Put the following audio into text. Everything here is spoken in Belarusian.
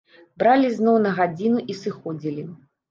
Бралі зноў на гадзіну і сыходзілі.